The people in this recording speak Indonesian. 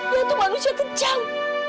dia itu manusia kejam